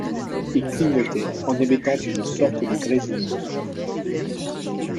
Il clignotait en émettant une sorte de grésillement.